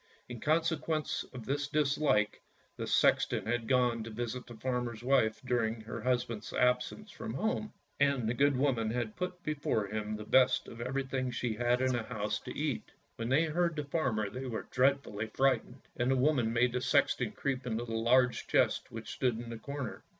In consequence of this dislike, the sexton had gone to visit the farmer's wife during her husband's absence from home, and the good woman had put before him the best of everything she had in the house to eat. When they heard the farmer they were dreadfully frightened, and the woman made the sexton creep into a large chest which stood in a corner.